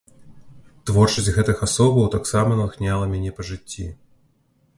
Творчасць гэтых асобаў таксама натхняла мяне па жыцці.